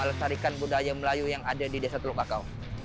melestarikan budaya melayu yang ada di desa teluk kakao